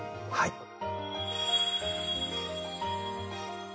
はい。